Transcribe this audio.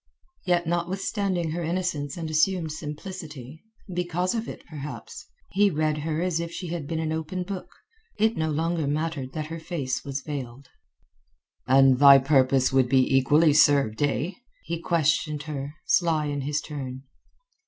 Yet notwithstanding her innocence and assumed simplicity—because of it, perhaps—he read her as if she had been an open book; it no longer mattered that her face was veiled. "And thy purpose would be equally well served, eh?" he questioned her, sly in his turn.